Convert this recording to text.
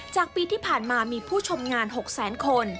จากปีที่ผ่านมามีผู้ชมงาน๖แสนคน